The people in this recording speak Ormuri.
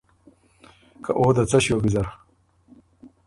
که او ده څۀ ݭیوک ویزر۔